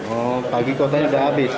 oh pagi kotanya ke abis